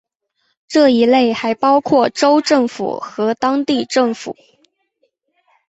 这一类还包括州政府和当地政府。